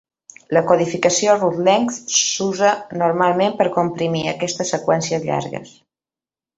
La codificació Run-length s'usa normalment per comprimir aquestes seqüències llargues.